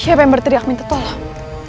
siapa yang berteriak minta tolong